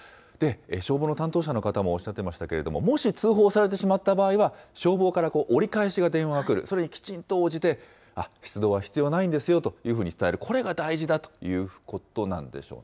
消防の担当者の方もおっしゃっていましたけれども、もし通報されてしまった場合は、消防から折り返しが電話が来る、それにきちんと応じて、出動は必要ないんですよと伝える、これが大事だということなんでし